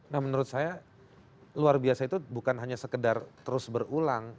nah menurut saya luar biasa itu bukan hanya sekedar terus berulang